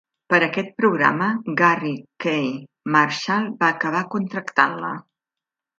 Per aquest programa, Garry K. Marshall va acabar contractant-la.